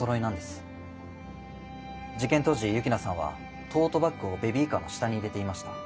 事件当時幸那さんはトートバッグをベビーカーの下に入れていました。